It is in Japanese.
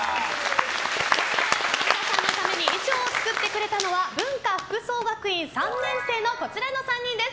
神田さんのために衣装を作ってくれたのは文化服装学院の３年生のこちらの３人です。